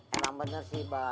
emang bener sih ba